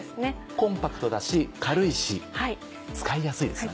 コンパクトだし軽いし使いやすいですよね。